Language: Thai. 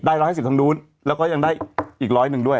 ได้๑๕๐บาททางโน้นแล้วก็ยังได้อีกร้อยหนึ่งด้วย